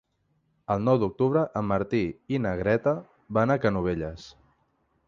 El nou d'octubre en Martí i na Greta van a Canovelles.